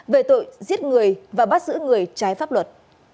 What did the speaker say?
về tội giết người và bắt giữ người trái pháp luật